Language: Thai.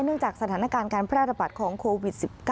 เนื่องจากสถานการณ์การพระระบัติของโควิด๑๙